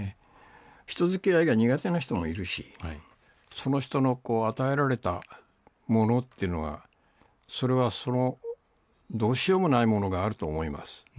人づきあいが苦手な人もいるし、その人の与えられたものっていうのは、それはその、どうしようもないものがあると思います。